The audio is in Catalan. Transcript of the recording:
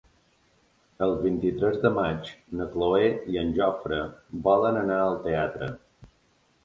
El vint-i-tres de maig na Cloè i en Jofre volen anar al teatre.